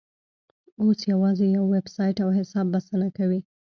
اوس یوازې یو ویبسایټ او حساب بسنه کوي.